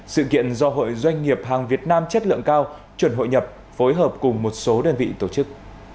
sự kiện do hội doanh nghiệp hàng việt nam chất lượng cao chuẩn hội nhập phối hợp cùng một số đơn vị tổ chức